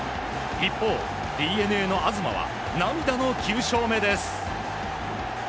一方、ＤｅＮＡの東は涙の９勝目です。